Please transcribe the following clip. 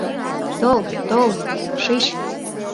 Тол, тол, шич!